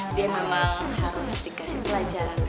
dia memang harus dikasih pelajaran